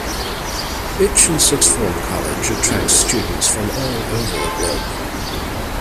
Itchen Sixth Form College attracts students from all over the globe.